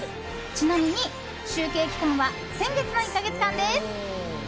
ちなみに集計期間は先月の１か月間です。